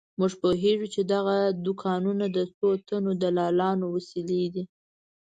موږ پوهېږو چې دغه دوکانونه د څو تنو دلالانو وسیلې دي.